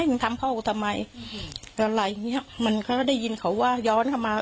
มึงทำพ่อกูทำไมแล้วอะไรอย่างเงี้ยมันเขาก็ได้ยินเขาว่าย้อนเข้ามา